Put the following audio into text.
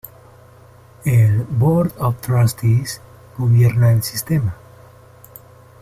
El "board of trustees" gobierna el sistema.